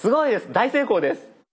大成功です。